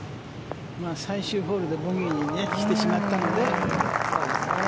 最終ホールでボギーにしてしまったので。